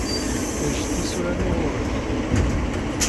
Ejj tisura-nni ɣur-k.